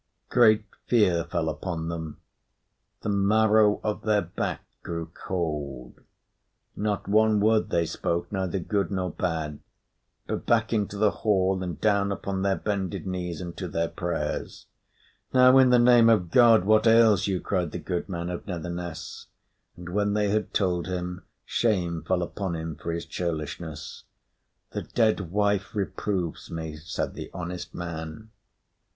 Great fear fell upon them; the marrow of their back grew cold. Not one word they spoke, neither good nor bad; but back into the hall, and down upon their bended knees, and to their prayers. "Now, in the name of God, what ails you?" cried the goodman of Netherness. And when they had told him, shame fell upon him for his churlishness. "The dead wife reproves me," said the honest man.